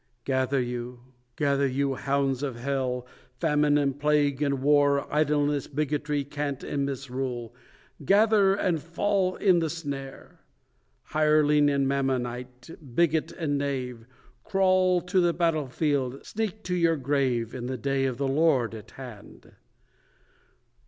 Gather you, gather you, hounds of hell Famine, and Plague, and War; Idleness, Bigotry, Cant, and Misrule, Gather, and fall in the snare! Hireling and Mammonite, Bigot and Knave, Crawl to the battle field, sneak to your grave, In the Day of the Lord at hand.